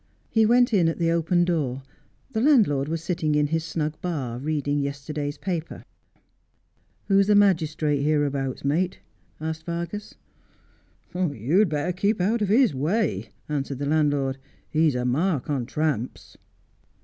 He went in at the open door. The landlord was sitting in his snug bar, reading yesterday's paper. ' Who's the magistrate hereabouts, mate 1 ' asked Vargas. ' You'd better keep out of his way/ answered the landlord. ' He's a mark on tramps.'